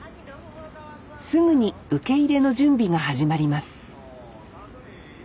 すぐに受け入れの準備が始まります